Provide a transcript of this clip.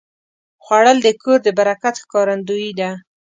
خوړل د کور د برکت ښکارندویي ده